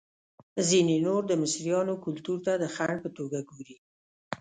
ځینې نور د مصریانو کلتور ته د خنډ په توګه ګوري.